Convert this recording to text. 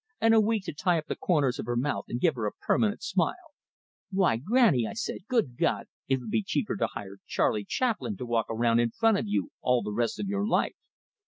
And a week to tie up the corners of her mouth and give her a permanent smile! 'Why, grannie,' I said, 'good God, it would be cheaper to hire Charlie Chaplin to walk around in front of you all the rest of your life.'